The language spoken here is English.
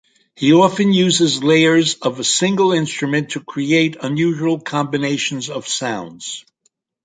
He often uses layers of a single instrument to create unusual combinations of sounds.